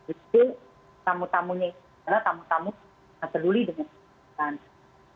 itu tamu tamunya itu adalah tamu tamu peduli dengan kesehatan